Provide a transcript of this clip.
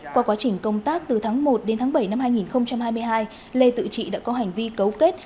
qua quá trình công tác từ tháng một đến tháng bảy năm hai nghìn hai mươi hai lê tự trị đã có hành vi cấu kết